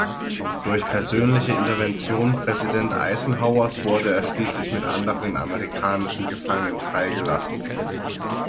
Durch persönliche Intervention Präsident Eisenhowers wurde er schließlich mit anderen amerikanischen Gefangenen freigelassen.